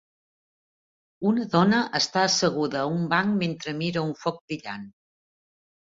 Una dona està asseguda a un banc mentre mira un foc brillant.